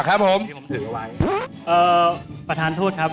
ครับผมให้ผมถือก็ไว้เอ่อประทานโทษครับ